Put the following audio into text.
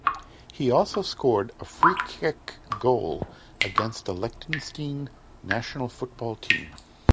He also scored a free-kick goal against the Liechtenstein national football team.